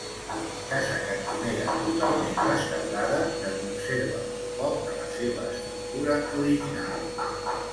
Casa cantonera totalment restaurada, que conserva molt poc de la seva estructura original.